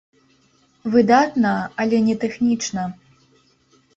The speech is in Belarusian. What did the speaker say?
Выдатна, але не тэхнічна.